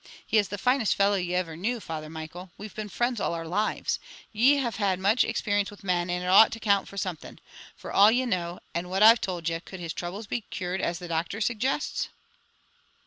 He is the finest fellow ye ever knew, Father Michael. We've been friends all our lives. Ye have had much experience with men, and it ought to count fra something. From all ye know, and what I've told ye, could his trouble be cured as the doctor suggests?"